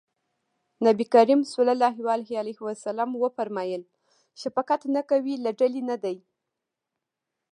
نبي کريم ص وفرمایل شفقت نه کوي له ډلې نه دی.